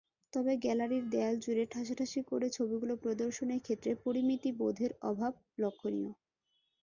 তবে গ্যালারির দেয়ালজুড়ে ঠাসাঠাসি করে ছবিগুলো প্রদর্শনের ক্ষেত্রে পরিমিতি বোধের অভাব লক্ষণীয়।